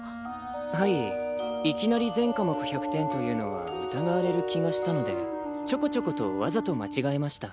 はいいきなり全科目１００点というのは疑われる気がしたのでちょこちょことわざとまちがえました。